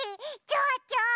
ちょうちょ。